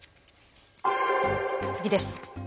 次です。